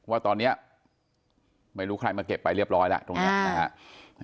ว่าตอนนี้ไม่รู้ใครมาเก็บไปเรียบร้อยแล้วตรงนี้นะครับ